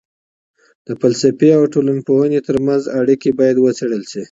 د فلسفې او ټولنپوهني ترمنځ اړیکې باید وڅېړل سي.